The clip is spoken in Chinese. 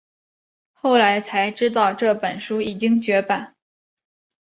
后来才知道这本书已经绝版